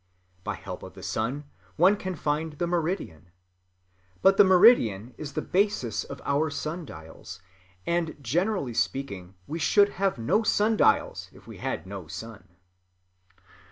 By help of the sun one can find the meridian.... But the meridian is the basis of our sun‐dials, and generally speaking, we should have no sun‐dials if we had no sun."